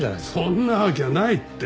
そんなわけないって。